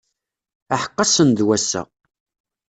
Aḥeqq ass-n d wass-a!